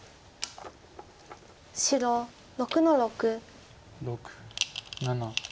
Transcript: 白６の六。